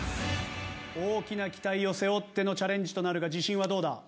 大きな期待を背負ってのチャレンジとなるが自信はどうだ？